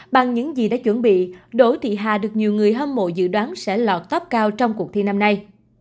bằng những gì đã chuẩn bị đỗ thị hà được nhiều người hâm mộ dự đoán sẽ lọt top cao trong cuộc thi năm nay